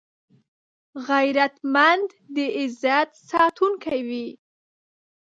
غیرتمند د عزت ساتونکی وي